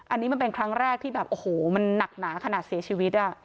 อันนี้มันเป็นครั้งแรกที่แบบโอ้โหมันหนักหนาขนาดเสียชีวิต